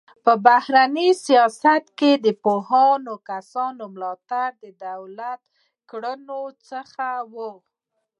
په بهرني سیاست کې د پوهو کسانو ملاتړ د دولت کړنو څخه و.